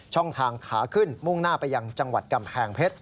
ทางขาขึ้นมุ่งหน้าไปยังจังหวัดกำแพงเพชร